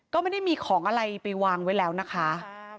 ก็ไม่ได้มีของอะไรไปวางไว้แล้วนะคะ